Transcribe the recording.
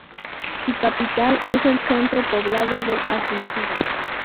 Su capital es el centro poblado de Asunción.